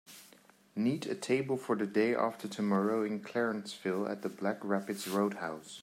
Need a table for the day after tomorrow in Clarenceville at the Black Rapids Roadhouse